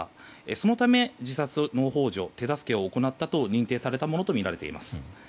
そのため自殺の幇助手助けを行ったと認定されたものとみられています。